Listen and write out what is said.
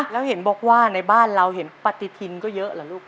แล้วเห็นบอกว่าในบ้านเราเห็นปฏิทินก็เยอะเหรอลูก